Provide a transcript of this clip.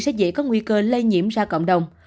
sẽ dễ có nguy cơ lây nhiễm ra cộng đồng